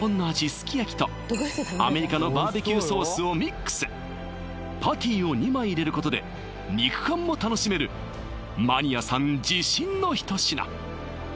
すき焼きとアメリカのバーベキューソースをミックスパティを２枚入れることで肉感も楽しめるマニアさん自信の一品！